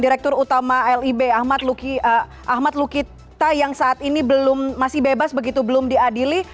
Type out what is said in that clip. direktur utama lib ahmad lukita yang saat ini masih bebas begitu belum diadili